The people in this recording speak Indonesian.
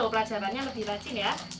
pelajarannya lebih rajin ya